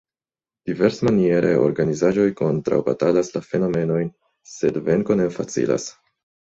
Diversmaniere organizaĵoj kontraŭbatalas la fenomenojn, sed venko ne facilas.